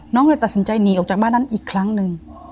เลยตัดสินใจหนีออกจากบ้านนั้นอีกครั้งหนึ่ง